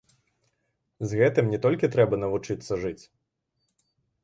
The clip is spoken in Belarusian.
З гэтым не толькі трэба навучыцца жыць.